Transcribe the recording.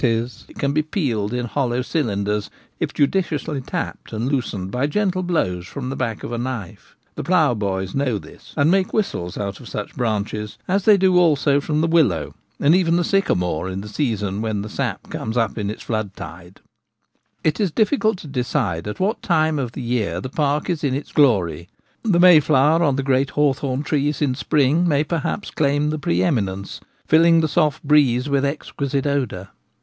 it can be peeled in hollow cylinders if judiciously tapped and loosened by gentle blows from the back of a knife. 62 The Gamekeeper at Home. The ploughboys know this, and make whistles out of such branches, as they do also from the willow, and even the sycamore in the season when the sap comes up in its flood tide. It is difficult to decide at what time of the year the park is in its glory. The may flower on the great hawthorn trees in spring may perhaps claim the pre eminence, filling the soft breeze with exquisite odour.